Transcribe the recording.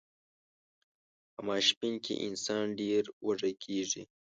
په ماسپښین کې انسان ډیر وږی کیږي